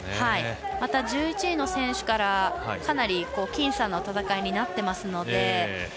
また１１位の選手からかなり僅差の戦いになっていますので。